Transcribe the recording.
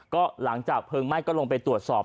ก็หลังจากเพลิงไหม้ก็ลงไปตรวจสอบ